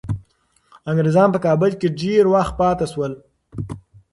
انګریزان په کابل کي ډیر وخت پاتې شول.